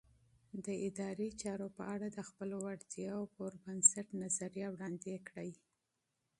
د ادارې چارو په اړه د خپلو وړتیاوو پر بنسټ نظریه وړاندې کړئ.